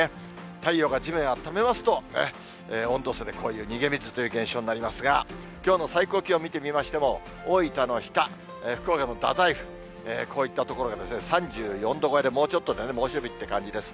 太陽が地面をあっためますと、温度差でこういう逃げ水という現象になりますが、きょうの最高気温を見てみますと、大分の日田、福岡の太宰府、こういった所がですね、３４度超えで、もうちょっとで猛暑日って感じです。